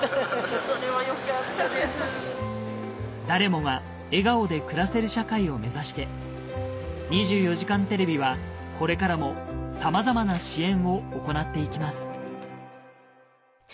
誰もが笑顔で暮らせる社会を目指して『２４時間テレビ』はこれからもさまざまな支援を行っていきます